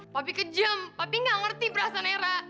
papi kejam papi gak ngerti perasaan era